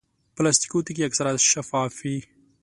پلاستيکي توکي اکثر شفاف وي.